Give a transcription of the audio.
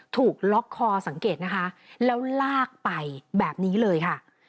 ถูกล็อกคอสังเกตนะคะแล้วลากไปแบบนี้เลยค่ะ